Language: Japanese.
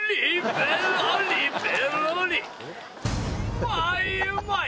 うまいうまい！